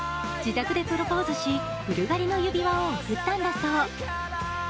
自宅でプロポーズしブルガリの指輪を贈ったんだそう。